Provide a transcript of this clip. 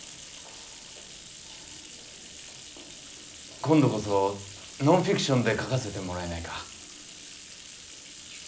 今度こそノンフィクションで書かせてもらえないか？